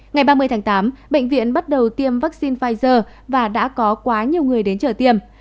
ngày ba mươi tháng tám bệnh viện bắt đầu tiêm vaccine pfizer và đã có quá nhiều người đến chở tiêm